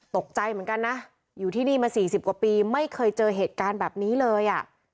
ตกใจเหมือนกันนะอยู่ที่นี่มา๔๐กว่าปีไม่เคยเจอเหตุการณ์แบบนี้เลยอ่ะ